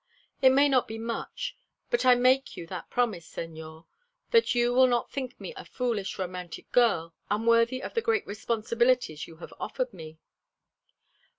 It may not be much, but I make you that promise, senor, that you will not think me a foolish, romantic girl, unworthy of the great responsibilities you have offered me."